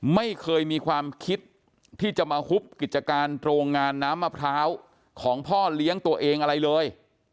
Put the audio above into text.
ไม่เคยมีความคิดที่จะมาหุบกิจการโรงงานน้ำมะพร้าวของพ่อเลี้ยงตัวเองอะไรเลย